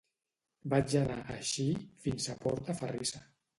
Vaig anar, així, fins a la Portaferrissa.